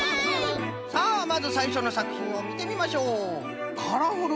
さあまずさいしょのさくひんをみてみましょう！